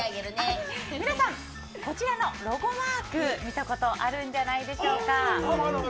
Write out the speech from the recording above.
皆さんこちらのロゴマーク見たことあるんじゃないでしょうか。